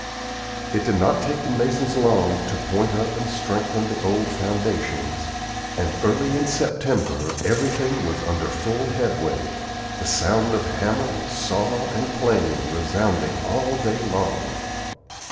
It did not take the masons long to point up and strengthen the old foundations, and early in September everything was under full headway, the sound of hammer, saw, and plane resounding all day long.